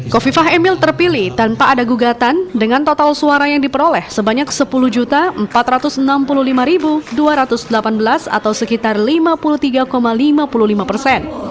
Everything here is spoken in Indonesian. kofifah emil terpilih tanpa ada gugatan dengan total suara yang diperoleh sebanyak sepuluh empat ratus enam puluh lima dua ratus delapan belas atau sekitar lima puluh tiga lima puluh lima persen